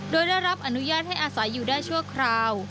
โดยได้รับอนุญาตให้อาศัยอยู่ได้ชั่วคราว